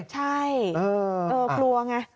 ใช่เออครัวไง